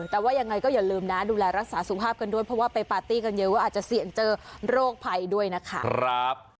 แต่ว่ายังไงก็อย่าลืมนะดูแลรักษาสุขภาพกันด้วยเพราะว่าไปปาร์ตี้กันเยอะว่าอาจจะเสี่ยงเจอโรคภัยด้วยนะคะ